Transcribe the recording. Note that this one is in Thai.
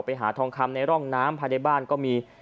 ไปหาทองคำในร่องน้ำภายในบ้านก็มี